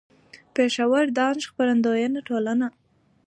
. پېښور: دانش خپرندويه ټولنه